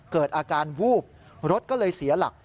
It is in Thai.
เกิดอาการวูบรถก็เลยเสียหลัก